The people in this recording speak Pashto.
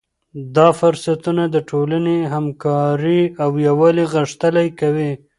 دا فرصتونه د ټولنې همکاري او یووالی غښتلی کوي.